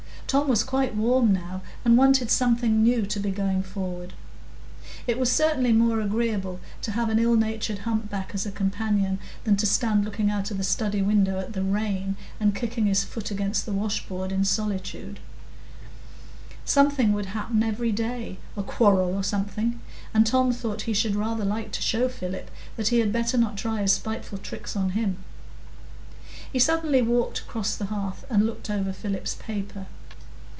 Tom was quite warm now, and wanted something new to be going forward. It was certainly more agreeable to have an ill natured humpback as a companion than to stand looking out of the study window at the rain, and kicking his foot against the washboard in solitude; something would happen every day,—"a quarrel or something"; and Tom thought he should rather like to show Philip that he had better not try his spiteful tricks on him. He suddenly walked across the hearth and looked over Philip's paper.